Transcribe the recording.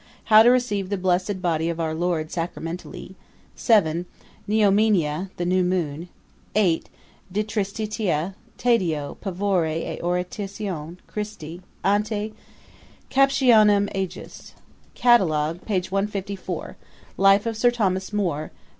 How to receive the blessed body of our Lord sacramentally. 7. Neomenia, the new moon. 8. De tristitia, tædio, pavore, et oratione Christi, ante captionem ejus. 'Catalogue, pag. 154. Life of Sir Thomas More.